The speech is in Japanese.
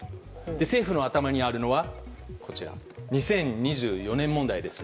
政府の頭にあるのは２０２４年問題です。